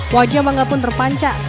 wajah bangga pun terpancak